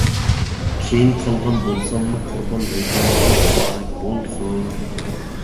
كېيىن قالغان بولساممۇ قۇربان ھېيتىڭلارغا مۇبارەك بولسۇن!